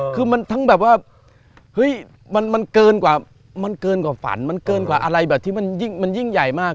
คือแบบว่าเฮ้ยมันเกินกว่าฝันมันเกินกว่าอะไรแบบที่มันยิ่งใหญ่มาก